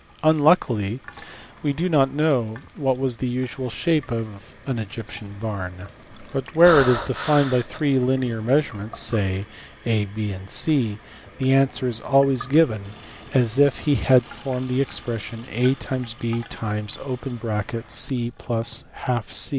Unluckily we do not know what was the usual shape of an Egyptian barn, but where it is defined by three linear measurements, say a, 6, and c, the answer is always given as if he had formed the expression a x b x (c + Jc).